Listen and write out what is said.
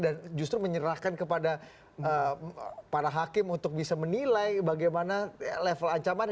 dan justru menyerahkan kepada para hakim untuk bisa menilai bagaimana level ancaman